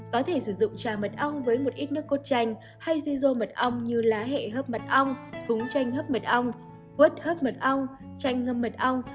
bảy uống trà mật ong với một ít nước cốt chanh hay rizô mật ong như lá hệ hấp mật ong bún chanh hấp mật ong quất hấp mật ong chanh ngâm mật ong